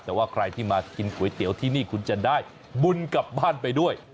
แต่ว่าใครที่มากินก๋วยเตี๋ยวที่นี่คุณจะได้บุญกลับบ้านไปด้วย